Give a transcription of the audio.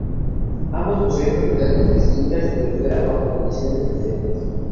Ambos poseen propiedades distintas y operan bajo condiciones diferentes.